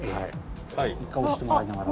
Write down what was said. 一回押してもらいながら。